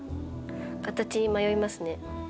形に迷いますね。